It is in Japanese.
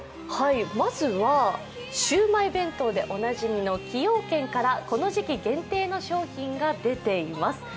まずはシウマイ弁当でおなじみの崎陽軒からこの時期限定の商品が出ています。